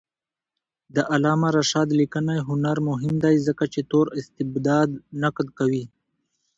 د علامه رشاد لیکنی هنر مهم دی ځکه چې تور استبداد نقد کوي.